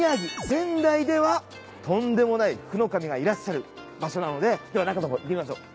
仙台ではとんでもない福の神がいらっしゃる場所なのででは中の方行ってみましょう。